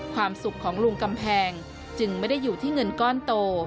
ความสุขของลุงกำแพงจึงไม่ได้อยู่ที่เงินก้อนโต